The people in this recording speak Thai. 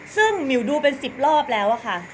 ซึ่งหมิวดูเป็น๑๐รอบแล้วอะค่ะ